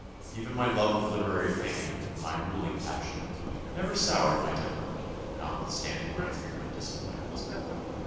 Even my love of literary fame my ruling passion, never soured my temper, notwithstanding my frequent disappointments.